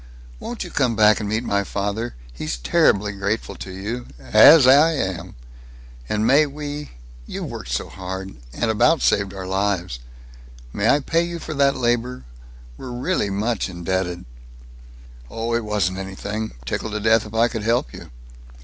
"Won't you come back and meet my father? He's terribly grateful to you as I am. And may we You've worked so hard, and about saved our lives. May I pay you for that labor? We're really much indebted " "Oh, it wasn't anything. Tickled to death if I could help you."